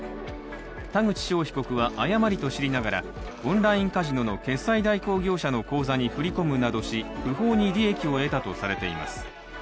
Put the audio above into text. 田口翔被告は誤りとしりながらオンラインカジノの決済代行業者の口座に振り込むなどし不法に利益を得たとされています。